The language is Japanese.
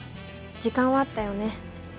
時間はあったよね。